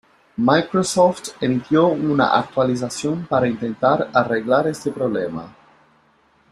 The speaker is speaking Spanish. Microsoft emitió una actualización para intentar arreglar este problema.